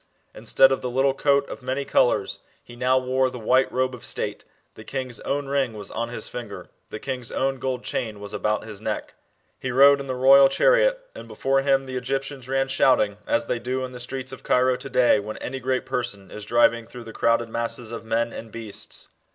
Instead of the little coat of many colours, he now wore the white robe of state, uhe king's own ring was on his finger, the king's own gold chain was about his t neck. He rod^ in the royal chariot, and before him the Egyptians ran shcut ing, as they do in the streets of Cairo to day when any great person is driving through the crow^ masses of men and beasts.